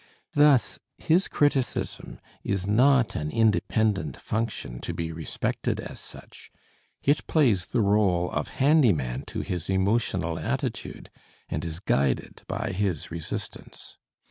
Thus his criticism is not an independent function to be respected as such; it plays the role of handy man to his emotional attitude and is guided by his resistance.